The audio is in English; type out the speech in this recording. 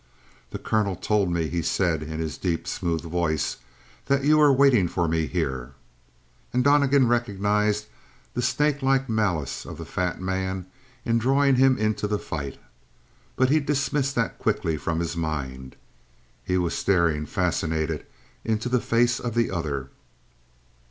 "The colonel told me," he said in his deep, smooth voice, "that you were waiting for me here." And Donnegan recognized the snakelike malice of the fat man in drawing him into the fight. But he dismissed that quickly from his mind. He was staring, fascinated, into the face of the other.